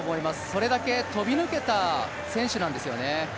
それだけ飛び抜けた選手なんですよね。